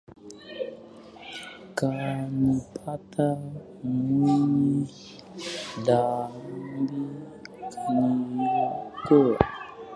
Kanipata mwenye dhambi, kaniokoa.